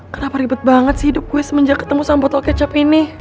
kenapa ribet banget sih hidup kue semenjak ketemu sama botol kecap ini